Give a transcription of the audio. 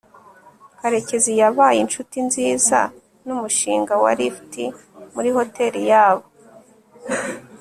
karekezi yabaye inshuti nziza numushinga wa lift muri hoteri yabo